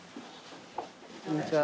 こんにちは。